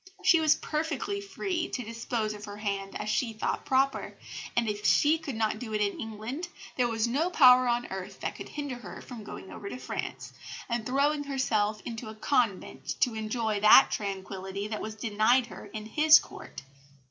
She was perfectly free to dispose of her hand as she thought proper; and if she could not do it in England, there was no power on earth that could hinder her from going over to France, and throwing herself into a convent to enjoy that tranquillity that was denied her in his Court!